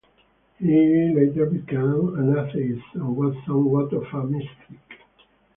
He later became an atheist and was somewhat of a mystic.